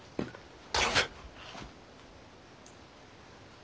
頼む。